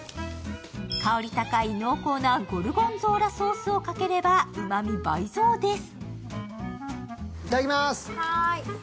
香り高い濃厚なゴルゴンゾーラソースをかければ、うまみ倍増です